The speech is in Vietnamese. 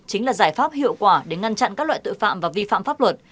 chính là giải pháp hiệu quả để ngăn chặn các loại tội phạm và vi phạm pháp luật